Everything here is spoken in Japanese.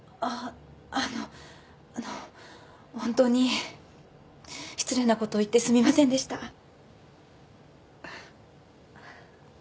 あっあのあの本当に失礼なことを言ってすみませんでした。